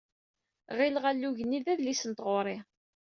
Ɣileɣ alug-nni d adlis n tɣuri.